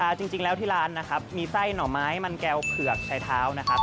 จริงจริงแล้วที่ร้านนะครับมีไส้หน่อไม้มันแก้วเผือกชายเท้านะครับ